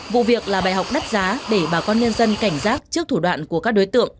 vụ việc là bài học đắt giá để bà con nhân dân cảnh giác trước thủ đoạn của các đối tượng